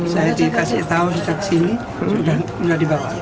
saya dikasih tahu sudah kesini sudah dibawa